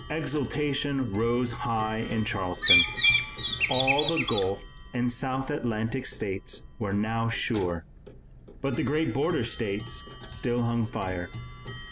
Exultation rose high in Charleston. All the Gulf and South Atlantic States were now sure, but the great border states still hung fire.